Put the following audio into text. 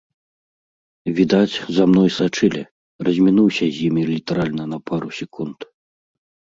Відаць, за мной сачылі, размінуўся з імі літаральна на пару секунд.